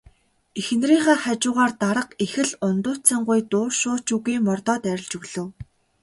Эхнэрийнхээ хажуугаар дарга их л ундууцангуй дуу шуу ч үгүй мордоод арилж өглөө.